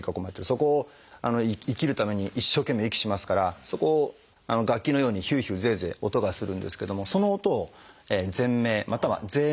そこを生きるために一生懸命息しますからそこを楽器のようにヒューヒューゼーゼー音がするんですけどもその音を「ぜん鳴」または「ぜい鳴」ともいいます。